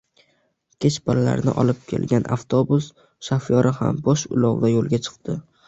Kecha bolalarni olib kelgan avtobus shofyori ham bo`sh ulovda yo`lga chiqdi